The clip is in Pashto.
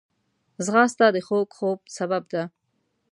ځغاسته د خوږ خوب سبب ده